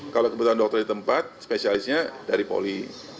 kalau kebetulan dokter di tempat spesialisnya dari poli